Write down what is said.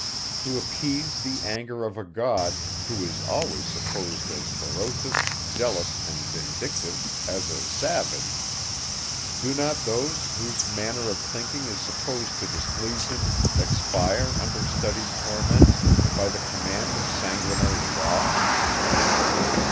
To appease the anger of a God, who is always supposed as ferocious, jealous and vindictive, as a savage, do not those, whose manner of thinking is supposed to displease him, expire under studied torments, by the command of sanguinary laws?